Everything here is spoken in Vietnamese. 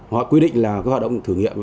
họ quy định là các hoạt động thử nghiệm